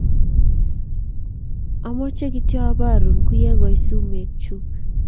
Amoche kityo aborun kuyekoi sumek chuk